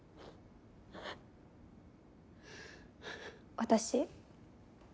私。